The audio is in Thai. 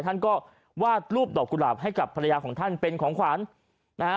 ท่านก็วาดรูปดอกกุหลาบให้กับภรรยาของท่านเป็นของขวัญนะฮะ